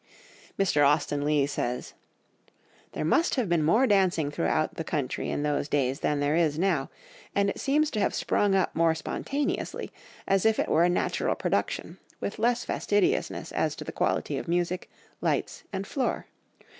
Mr. Austen Leigh says: "There must have been more dancing throughout the country in those days than there is now, and it seems to have sprung up more spontaneously, as if it were a natural production, with less fastidiousness as to the quality of music, lights, and floor.